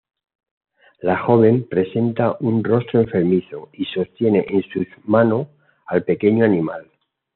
La joven presenta un rostro enfermizo y sostiene en sus mano al pequeño animal.